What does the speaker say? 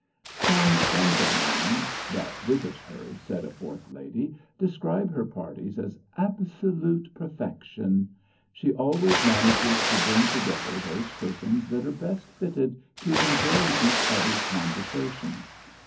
"Some friends of mine that visit her," said a fourth lady, "describe her parties as absolute perfection. She always manages to bring together those persons that are best fitted to enjoy each other's conversation.